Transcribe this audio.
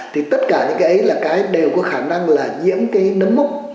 thì tất cả những cái ấy đều có khả năng là nhiễm cái nấm mốc